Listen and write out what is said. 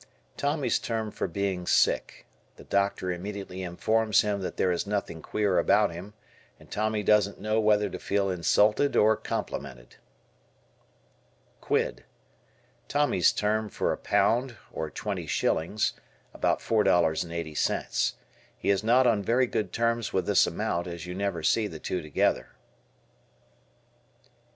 Tommy's term for being sick. The doctor immediately informs him that there is nothing queer about him, and Tommy doesn't know whether to feel insulted or complimented. Quid. Tommy's term for a pound or twenty shillings (about $4.80). He is not on very good terms with this amount as you never see the two together.